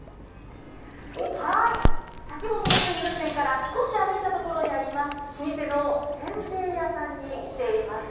先ほどの鮮魚店から少し歩いた所にあります、老舗のせんべい屋さんに来ています。